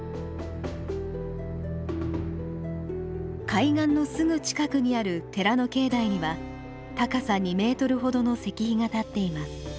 海岸のすぐ近くにある寺の境内には高さ２ｍほどの石碑が立っています。